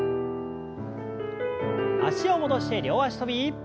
脚を戻して両脚跳び。